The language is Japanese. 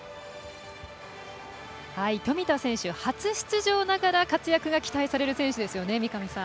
富田選手、初出場ながら活躍が期待される選手ですね。